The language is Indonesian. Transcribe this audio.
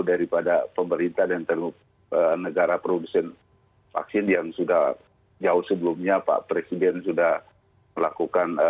daripada pemerintah dan negara produsen vaksin yang sudah jauh sebelumnya pak presiden sudah melakukan